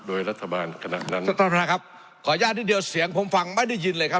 โดยรัฐบาลขณะนั้นท่านประธานครับขออนุญาตนิดเดียวเสียงผมฟังไม่ได้ยินเลยครับ